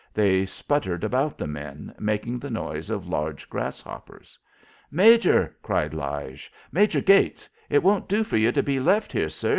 They sputtered about the men, making the noise of large grasshoppers. "Major!" cried Lige. "Major Gates! It won't do for ye to be left here, sir.